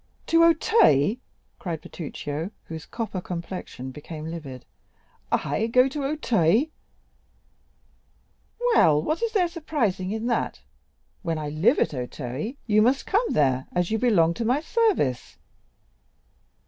"To Auteuil!" cried Bertuccio, whose copper complexion became livid—"I go to Auteuil?" "Well, what is there surprising in that? When I live at Auteuil, you must come there, as you belong to my service."